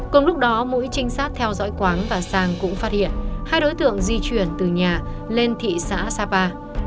cùng lúc đó mũi trinh sát theo dõi quán và sàng cũng phát hiện hai đối tượng di chuyển từ nhà lên thị xã sapa